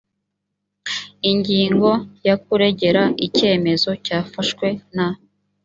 ingingo ya kuregera icyemezo cyafashwe na